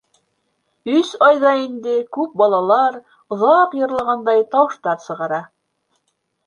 Өс айҙа инде күп балалар оҙаҡ йырлағандай тауыштар сығара.